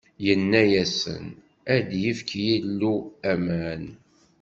Inna-asen: Ad d-yefk Yillu aman.